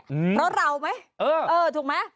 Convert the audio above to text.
เพราะเราไหมเออเออถูกไหม